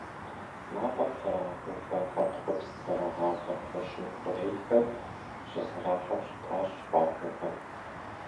Мафӏэм пэрагъэувэ хьэнтхъупс зэрагъавэ кхъуэщын хъурейхэр щызэрахьэу щытащ къуажэхэм.